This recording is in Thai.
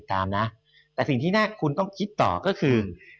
แต่ทีนี้คุณต้องคิดต่อก็คือ